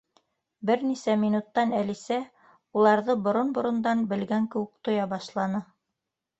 Бер нисә минуттан Әлисә уларҙы борон-борондан белгән кеүек тоя башланы.